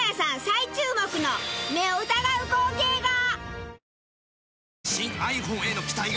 最注目の目を疑う光景が！